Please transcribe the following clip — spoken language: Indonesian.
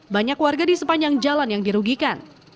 banyak warga di sepanjang jalan yang dirugikan